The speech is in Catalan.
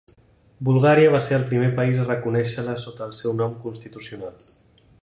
Bulgària va ser el primer país a reconèixer-la sota el seu nom constitucional.